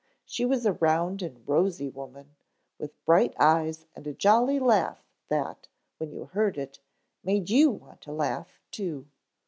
She was a round and rosy woman, with bright eyes and a jolly laugh that, when you heard it, made you want to laugh, too.